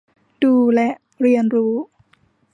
ดู และ เรียนรู้